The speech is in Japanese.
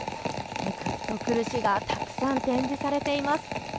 ぐっと来る詩がたくさん展示されています。